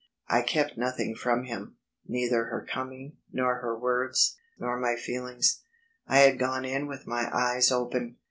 I kept nothing from him; neither her coming, nor her words, nor my feelings. I had gone in with my eyes open.